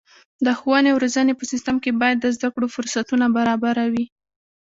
د ښوونې او روزنې په سیستم کې باید د زده کړو فرصتونه برابره وي.